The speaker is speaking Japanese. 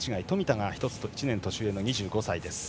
冨田が１つ年上の２５歳です。